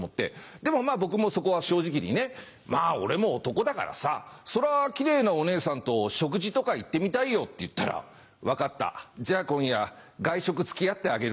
でも僕もそこは正直にね「まぁ俺も男だからさそらキレイなお姉さんと食事とか行ってみたいよ」って言ったら「分かったじゃあ今夜外食付き合ってあげる」。